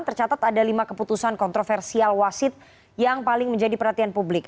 tercatat ada lima keputusan kontroversial wasit yang paling menjadi perhatian publik